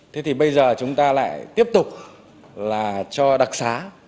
thế thì bây giờ chúng ta lại tiếp tục là cho đặc xá